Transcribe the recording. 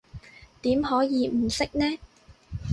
點可以唔識呢？